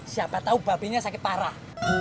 siapa tahu babinya sakit parah